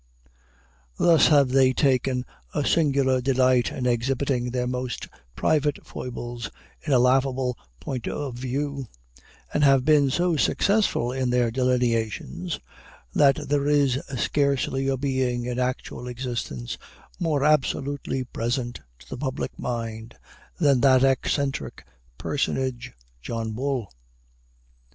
Thus they have taken a singular delight in exhibiting their most private foibles in a laughable point of view; and have been so successful in their delineations, that there is scarcely a being in actual existence more absolutely present to the public mind than that eccentric personage, John Bull.